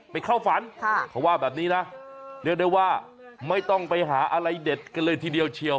เข้าฝันเขาว่าแบบนี้นะเรียกได้ว่าไม่ต้องไปหาอะไรเด็ดกันเลยทีเดียวเชียว